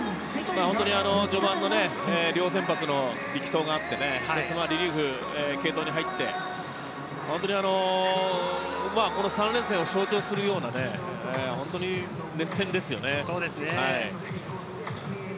序盤の両先発の力投があって、リリーフ、継投に入って、この３連戦を象徴するような本当に熱戦ですよね。